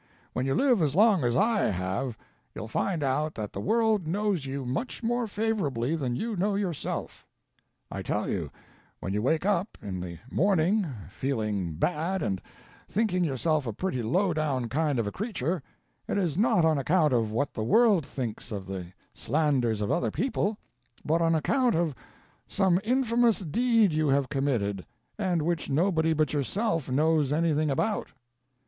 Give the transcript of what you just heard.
When you live as long as I have you'll find out that the world knows you much more favorably than you know yourself. I tell you, when you wake up in the morning feeling bad and thinking yourself a pretty low down kind of a creature it is not on account on what the world things or the slanders of other people, but on account of some infamous deed you have committed and which nobody but yourself knows anything about.